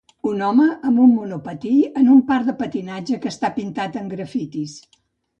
Un home amb un monopatí en un parc de patinatge que està pintat amb grafitis.